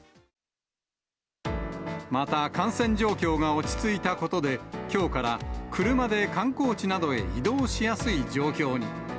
また感染状況が落ち着いたことで、きょうから車で観光地などへ移動しやすい状況に。